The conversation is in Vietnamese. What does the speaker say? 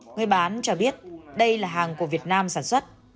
người bán cho biết đây là hàng của việt nam sản xuất